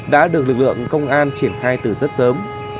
đã được lực lượng công an triển khai từ rất sớm